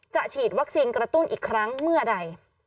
ฉีดวัคซีนกระตุ้นอีกครั้งเมื่อใด